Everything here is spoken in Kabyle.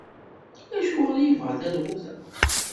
Acuɣer i yebɣa talɣut-a?